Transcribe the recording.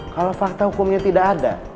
kalau fakta hukumnya tidak ada